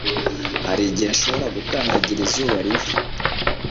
Hari igihe nshobora gukandagira izuba riva